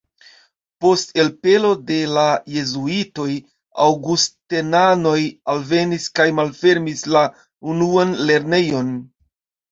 Post elpelo de la jezuitoj aŭgustenanoj alvenis kaj malfermis la unuan lernejon.